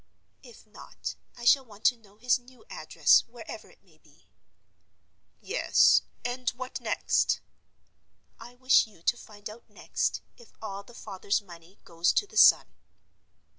"If not, I shall want to know his new address wherever it may be." "Yes. And what next?" "I wish you to find out next if all the father's money goes to the son."